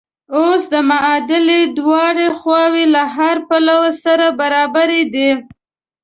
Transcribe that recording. اوس د معادلې دواړه خواوې له هره پلوه سره برابرې دي.